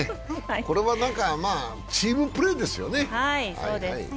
これはチームプレーですよね。